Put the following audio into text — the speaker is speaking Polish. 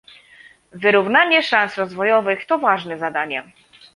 Wyrównanie szans rozwojowych to ważne zadanie